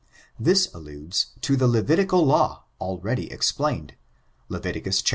This alludes to the Levitical law, already explained. Lev. xxv.